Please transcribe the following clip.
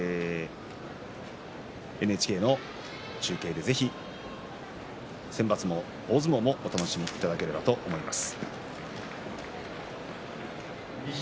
ＮＨＫの中継で、ぜひセンバツも大相撲もお楽しみいただければと思います。